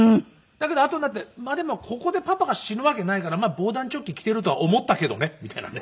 だけどあとになって「まあでもここでパパが死ぬわけないから防弾チョッキ着ているとは思ったけどね」みたいなね。